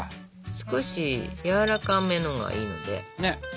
少し軟らかめのがいいので。ね！